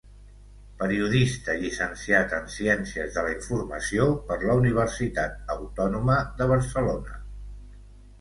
Periodista llicenciat en Ciències de la Informació per la Universitat Autònoma de Barcelona.